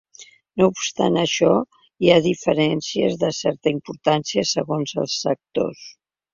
No obstant això, hi ha diferències de certa importància segons els sectors.